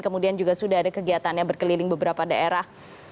kemudian juga sudah ada kegiatannya berkeliling beberapa daerah